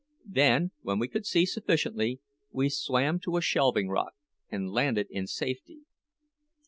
Then, when we could see sufficiently, we swam to a shelving rock, and landed in safety.